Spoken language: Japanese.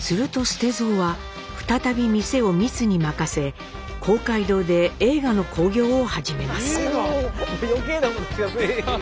すると捨蔵は再び店をみつに任せ公会堂で映画の興行を始めます。